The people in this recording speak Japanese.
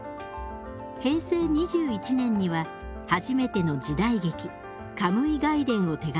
平成２１年には初めての時代劇「カムイ外伝」を手がけます。